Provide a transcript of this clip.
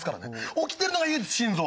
起きてるのが唯一心臓。